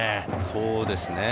そうですね。